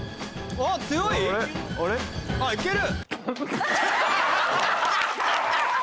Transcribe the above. あっ行ける？